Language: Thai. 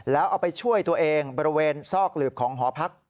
แล้วเอาไปช่วยตัวเองบริเวณซอกหลืบของหอพัก